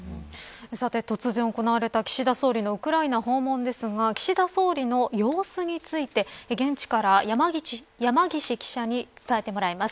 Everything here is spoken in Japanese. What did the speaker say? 突然行われた岸田総理のウクライナ訪問ですが岸田総理の様子について現地から山岸記者に伝えてもらいます。